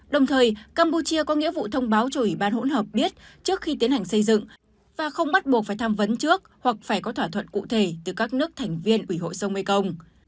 đồng thời campuchia có nghĩa vụ thông báo cho ủy ban hỗn hợp biết trước khi tiến hành xây dựng và không bắt buộc phải tham vấn trước hoặc phải có thỏa thuận cụ thể từ các nước thành viên ủy hội sông mekong